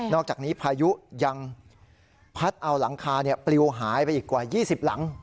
อกจากนี้พายุยังพัดเอาหลังคาปลิวหายไปอีกกว่า๒๐หลัง